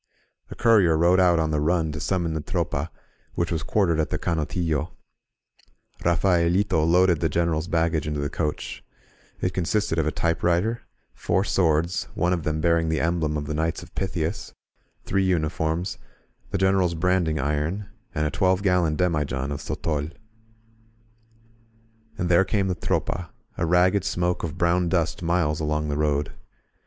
A courier rode out on the run to summon the Tropa, which was quartered at the CanotUlo. Rafaelito loaded the Greneral's baggage into the coach; it consisted of a typewriter, four swords, one of them bearing the 27 INSURGENT MEXICO emblem of the Knights of Pythias, three uniforms, the General's branding iron, and a twelve gallon demijohn of sotol. And there came the Tropa, a ragged smoke of brown dust miles along the road.